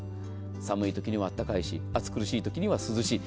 寒いときにはあったかいし暑苦しいときには涼しい。